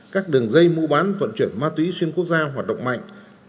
các đường dây mua bán vận chuyển ma túy xuyên quốc gia hoạt động mạnh